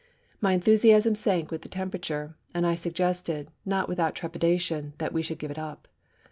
My enthusiasm sank with the temperature, and I suggested, not without trepidation, that we should give it up.